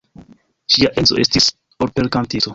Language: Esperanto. Ŝia edzo estis operkantisto.